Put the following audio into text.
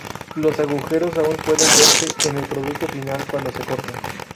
Los agujeros aún pueden verse en el producto final cuando se corta.